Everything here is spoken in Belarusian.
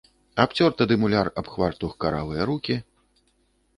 Абцёр тады муляр аб хвартух каравыя рукі.